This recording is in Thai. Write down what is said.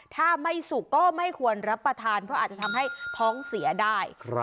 ถ้าไม่สุกก็ไม่ควรรับประทานเพราะอาจจะทำให้ท้องเสียได้